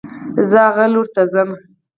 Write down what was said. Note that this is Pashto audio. زه هغه لور ته ځم